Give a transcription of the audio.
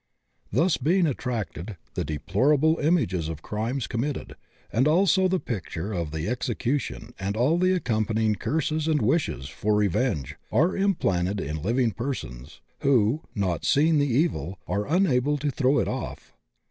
Being thus attracted, the deplorable images of crimes committed and also the picture of the execution and all the accompanying curses and wishes for revenge are implanted in living persons, who, not seeing the evil, are unable to throw it off.